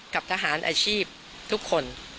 กับทหารอาชีพทุกคน